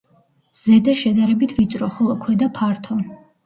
ზედა შედარებით ვიწრო, ხოლო ქვედა ფართო.